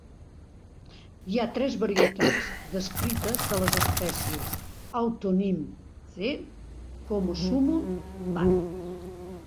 Hi ha tres varietats descrites de les espècies: autonym "C. comosum" var.